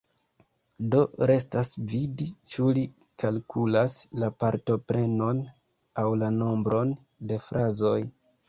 Do restas vidi, ĉu li kalkulas la partoprenon aŭ la nombron de frazoj.